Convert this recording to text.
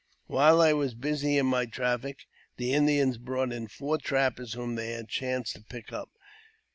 , While I was busy in my traffic, the Indians brought in four trappers whom they had chanced to pick up.